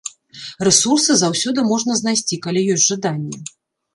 Рэсурсы заўсёды можна знайсці, калі ёсць жаданне.